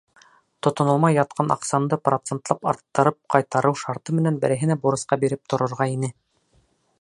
— Тотонолмай ятҡан аҡсамды процентлап арттырып ҡайтартыу шарты менән берәйһенә бурысҡа биреп торорға ине.